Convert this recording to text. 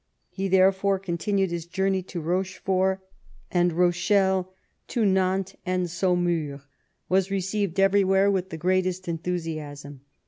He therefore continued his journey to Rochefort and Rochelle, to Nantes and Saumur ; was received everywhere with the greatest enthusiasm.